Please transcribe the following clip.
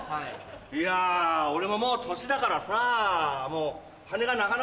いや俺ももう年だからさもう。